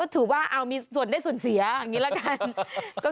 ถือว่ามีส่วนได้ส่วนเสียอันนี้ล่ะ